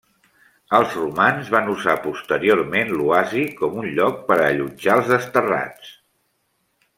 Els romans van usar posteriorment l'oasi com un lloc per a allotjar els desterrats.